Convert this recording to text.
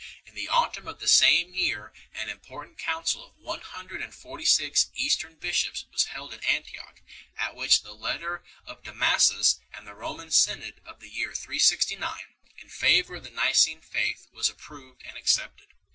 In the autumn of the same year an im portant council of one hundred and forty six Eastern bishops was held at Antioch 2 , at which the letter of Dama sus and the Roman synod of the year 369 3 , in favour of the Nicene Faith, was approved and accepted.